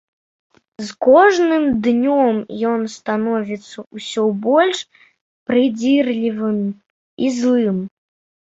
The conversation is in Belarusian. З кожным днём ён становіцца ўсё больш прыдзірлівым і злым.